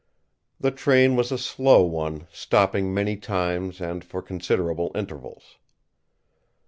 The train was a slow one, stopping many times and for considerable intervals.